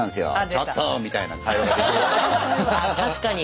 「ちょっと！」みたいな会話ができるように。